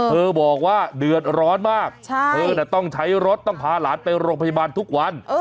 เธอบอกว่าเดือดร้อนมากเธอต้องใช้รถต้องพาหลานไปโรงพยาบาลทุกวัน